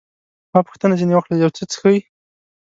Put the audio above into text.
ما پوښتنه ځیني وکړل، یو څه څښئ؟